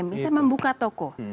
misalnya membuka toko